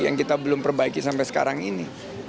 yang kita belum perbaiki sampai sekarang ini